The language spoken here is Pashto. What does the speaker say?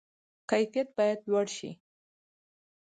کیفیت باید لوړ شي